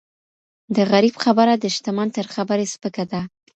د غریب خبره د شتمن تر خبري سپکه ده.